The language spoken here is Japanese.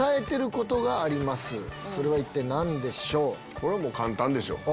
これは簡単でしょ。